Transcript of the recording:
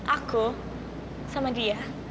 aku sama dia